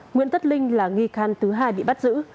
nguyễn tất linh là nghi can thứ hai bị bắt giữ